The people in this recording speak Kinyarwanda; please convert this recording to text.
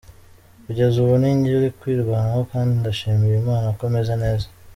Kugeza ubu ni njye uri kwirwanaho kandi ndashimira Imana ko meze neza.